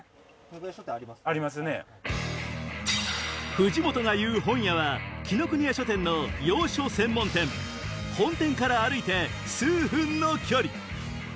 藤本が言う本屋は紀伊國屋書店の洋書専門店本店から歩いて数分の距離